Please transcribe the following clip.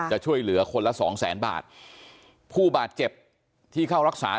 จะช่วยเหลือคนละสองแสนบาทผู้บาดเจ็บที่เข้ารักษา